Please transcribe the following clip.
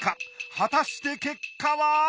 果たして結果は？